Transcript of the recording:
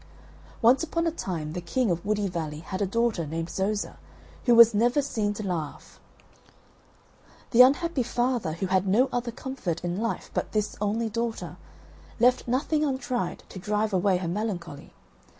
Once upon a time the King of Woody Valley had a daughter named Zoza, who was never seen to laugh. The unhappy father, who had no other comfort in life but this only daughter, left nothing untried to drive away her melancholy.